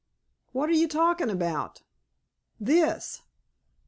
'" "What are you talking about?" "This."